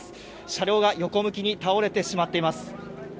車両が横向きに倒れてしまっています。